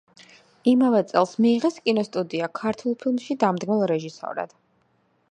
იმავე წელს მიიღეს კინოსტუდია „ქართულ ფილმში“ დამდგმელ რეჟისორად.